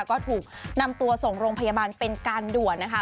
ก็ถูกนำตัวส่งโรงพยาบาลเป็นการด่วนนะคะ